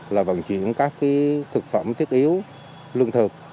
là vận chuyển các thực phẩm thiết yếu lương thực